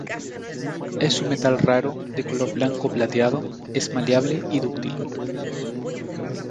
Es un metal raro de color blanco plateado, es maleable y dúctil.